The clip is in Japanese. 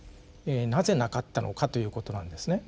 なぜなかったのかということなんですね。